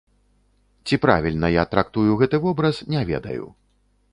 Ці правільна я трактую гэты вобраз, не ведаю.